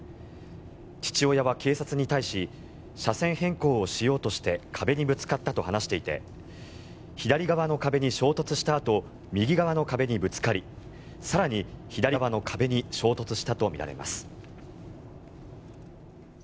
父親は警察に対し車線変更をしようとして壁にぶつかったと話していて左側の壁に衝突したあと右側の壁にぶつかり更に、左側の壁に衝突したとみられます。